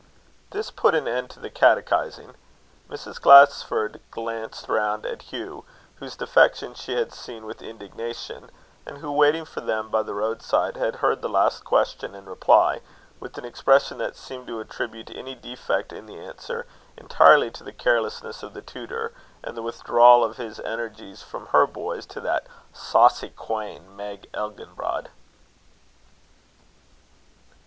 This put an end to the catechising. Mrs. Glasford glanced round at Hugh, whose defection she had seen with indignation, and who, waiting for them by the roadside, had heard the last question and reply, with an expression that seemed to attribute any defect in the answer, entirely to the carelessness of the tutor, and the withdrawal of his energies from her boys to that "saucy quean, Meg Elginbrod."